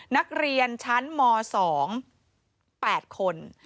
นักเรียนชั้นม๒๘คน